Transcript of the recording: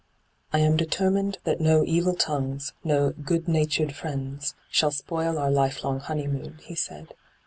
' I am determined that no evil tongues, no " good natured friends," shall spoil our lifelong honeymoon,' he said.